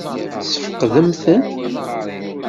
Tesfeqdemt-ten?